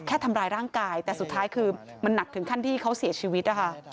แค่ทำร้ายร่างกายแต่สุดท้ายคือมันหนักถึงขั้นที่เขาเสียชีวิตนะคะ